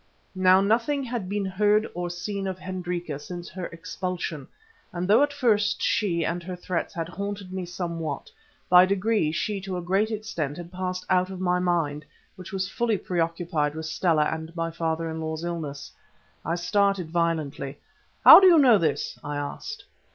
Now nothing had been heard or seen of Hendrika since her expulsion, and though at first she and her threats had haunted me somewhat, by degrees she to a great extent had passed out of my mind, which was fully preoccupied with Stella and my father in law's illness. I started violently. "How do you know this?" I asked.